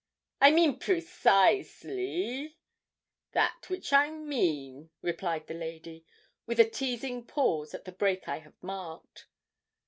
'I mean precisely that which I mean,' replied the lady, with a teazing pause at the break I have marked.